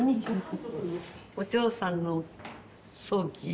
お嬢さんの葬儀。